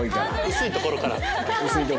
薄いところから。